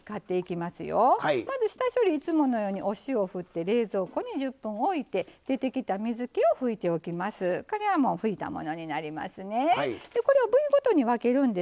まず下処理をいつものようにお塩を振って冷蔵庫に１０分置いて出てきた水けを拭いておきます。